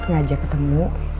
saya ngajak ketemu